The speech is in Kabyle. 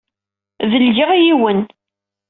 Delgeɣ yiwen.